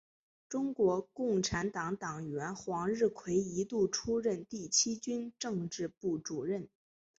中国共产党党员黄日葵一度出任第七军政治部主任。